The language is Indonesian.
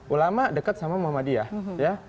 ulama dekat sama muhammadiyah